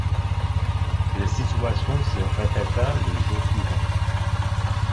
La situation se répéta le jour suivant.